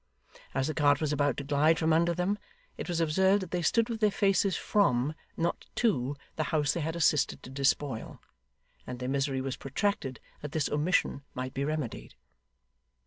As the cart was about to glide from under them, it was observed that they stood with their faces from, not to, the house they had assisted to despoil; and their misery was protracted that this omission might be remedied.